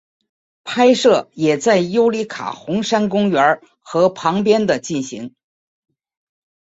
拍摄也在尤里卡红杉公园和旁边的进行。